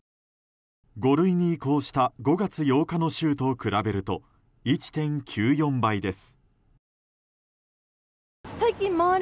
５類に移行した５月８日の週と比べると１．９４倍です。